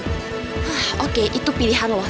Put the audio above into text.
hah oke itu pilihan loh